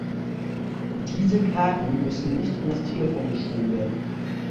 Diese Karten müssen nicht in das Telefon geschoben werden.